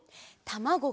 「たまご」。